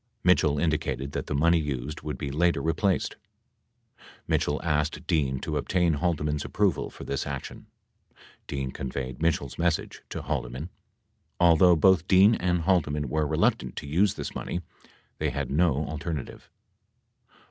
Mitchell indi cated that the money used would be later replaced. Mitchell asked Dean to obtain Haldeman's approval for this action. Dean conveyed Mitchell's message to Haldeman. Although both Dean and Haldeman were reluctant to use this money, they had no alternative.